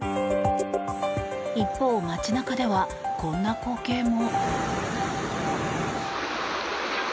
一方、街中ではこんな光景も。